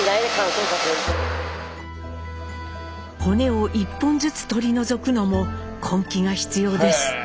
骨を１本ずつ取り除くのも根気が必要です。